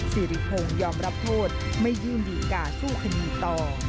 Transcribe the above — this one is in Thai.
สิริโภงยอมรับโทษไม่ยืนหลีก่าสู้คณีต่อ